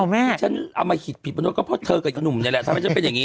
เอาแม่ฉันเอามาคิดผิดประโยชน์ก็เพราะเธอกับอีกหนุ่มนี่แหละทำให้ฉันเป็นอย่างงี้